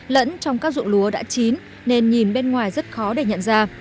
lẫn trong các dụng lúa đã chín nên nhìn bên ngoài rất khó để nhận ra